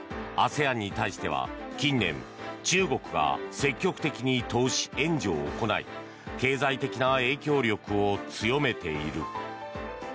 だが、ＡＳＥＡＮに対しては近年、中国が積極的に投資・援助を行い経済的な影響力を強めている。